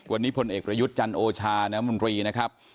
วันนี้พลเอกประยุทธ์จันโอชาน้ำมนตรีนะครับ